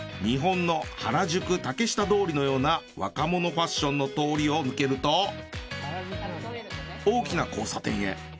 日本の原宿・竹下通りのような若者ファッションの通りを抜けると大きな交差点へ。